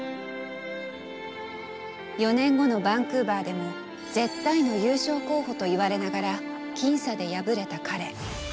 ４年後のバンクーバーでも絶対の優勝候補と言われながら僅差で敗れた彼。